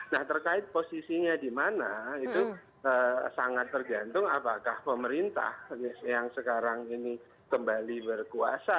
nah terkait posisinya di mana itu sangat tergantung apakah pemerintah yang sekarang ini kembali berkuasa